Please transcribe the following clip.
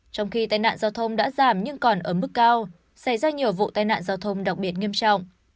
trong khi tai nạn giao thông đã giảm nhưng còn ở mức cao xảy ra nhiều vụ tai nạn giao thông đặc biệt nghiêm trọng